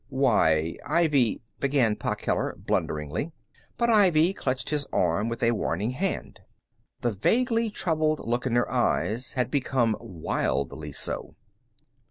"Why Ivy " began Pa Keller, blunderingly. But Ivy clutched his arm with a warning hand. The vaguely troubled look in her eyes had become wildly so.